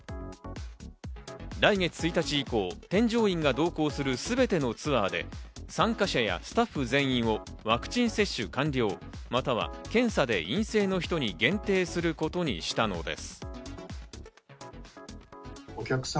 来月１日以降、添乗員が同行するすべてのツアーで、参加者やスタッフ全員をワクチン接種完了、または検査で陰性の人に限定することにしたのです。